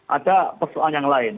ada persoalan yang lain